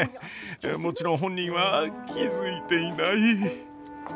もちろん本人は気付いていない。